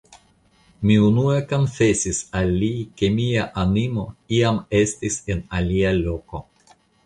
Mi unue konfesis al li, ke mia animo iam estis en alia loko.